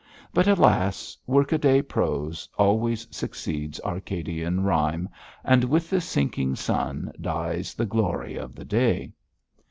But, alas! workaday prose always succeeds Arcadian rhyme, and with the sinking sun dies the glory of the day.